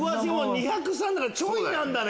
２０３だからちょいなんだね。